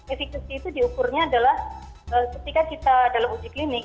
efekasi itu diukurnya adalah ketika kita dalam uji klinik